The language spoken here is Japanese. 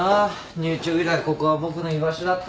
入庁以来ここは僕の居場所だったのに。